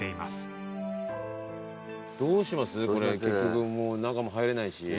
これ結局中も入れないし。